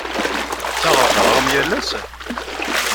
Tettaɣeḍ-d aɣrum yal ass?